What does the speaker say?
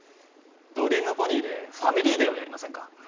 ドリームポニーでファミリーデーをやりませんか？